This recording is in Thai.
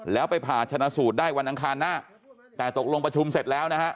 แล้วไปผ่าชนะสูตรได้วันอังคารหน้าแต่ตกลงประชุมเสร็จแล้วนะฮะ